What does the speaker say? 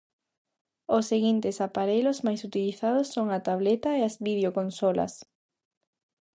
Os seguintes aparellos máis utilizados son a tableta e as videoconsolas.